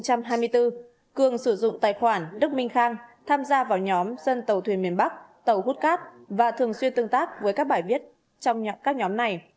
cường sử dụng tài khoản đức minh khang tham gia vào nhóm dân tàu thuyền miền bắc tàu hút cát và thường xuyên tương tác với các bài viết trong các nhóm này